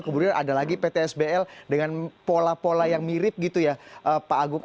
kemudian ada lagi ptsbl dengan pola pola yang mirip gitu ya pak agung